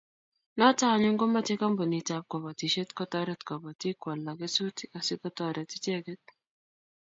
Noto anyun komochei kampunitab kobotisiet kotoret kobotik koalda kesutik asikotoret icheget